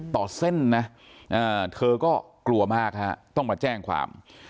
ต่อเส้นนะเค้าก็กลัวมากท่ะต้องมาแจ้งความ